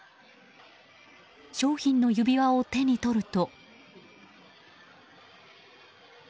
商品の指輪を手に取ると。